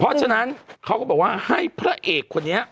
เพราะฉะนั้นเขาก็บอกว่าให้พระเอกคนนี้